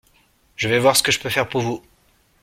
Je vais voir ce que je peux faire pour vous.